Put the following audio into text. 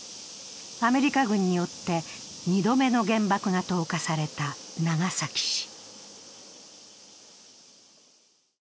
アメリカ軍によって２度目の原爆が投下された長崎市。